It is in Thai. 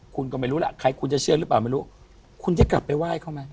คุณก็ไม่รู้แหละใครคุณจะเชื่อหรือเปล่าไม่รู้คุณจะกลับไปว่ายเข้ามา